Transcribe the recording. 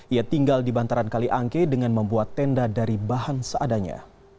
ia tinggal di bantaran kaliangke dengan membuat tenda dari bahan seadanya